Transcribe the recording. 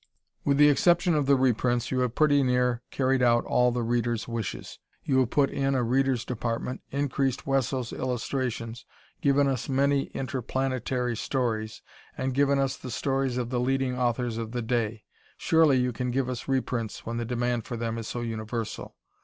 With the exception of the reprints you have pretty near carried out all the readers' wishes. You have put in a readers' department, increased Wesso's illustrations, given us many interplanetary stories, and given us the stories of the leading authors of the day. Surely you can give us reprints when the demand for them is so universal.